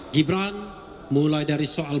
gibran mulai dari soal